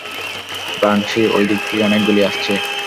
Banshee, ওই দিক থেকে অনেক গুলি আসছে।